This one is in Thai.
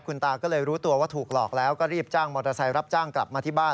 คุณตาก็เลยรู้ตัวว่าถูกหลอกแล้วก็รีบจ้างมอเตอร์ไซค์รับจ้างกลับมาที่บ้าน